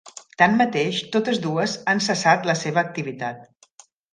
Tanmateix, totes dues han cessat la seva activitat.